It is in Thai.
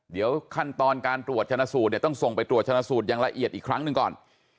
เดี๋ยวขั้นตอนการตรวจชนะสูตรเนี่ยต้องส่งไปตรวจชนะสูตรอย่างละเอียดอีกครั้งหนึ่งก่อน